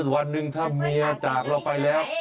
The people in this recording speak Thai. วันหนึ่งถ้าเมียจากเราไปแล้ว